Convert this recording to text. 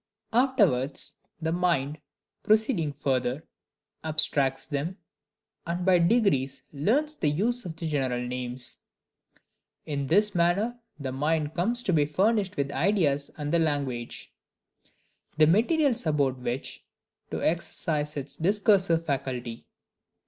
Afterwards, the mind proceeding further, abstracts them, and by degrees learns the use of general names. In this manner the mind comes to be furnished with ideas and language, the MATERIALS about which to exercise its discursive faculty.